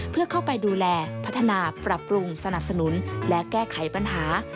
เพื่อเข้าไปดูแลพัฒนาปรับปรุงสนับสนุนและแก้ไขปัญหา